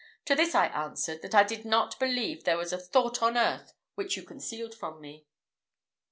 To this I answered, that I did not believe there was a thought on earth which you concealed from me."